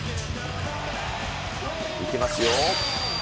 いきますよ。